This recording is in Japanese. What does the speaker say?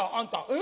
え？